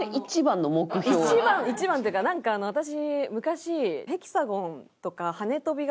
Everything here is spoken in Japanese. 一番一番っていうかなんか私昔。